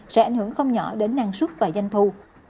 sẽ ảnh hưởng không nhỏ đến năng suất và danh thù